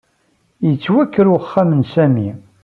Yettwaker uxxam n Sami.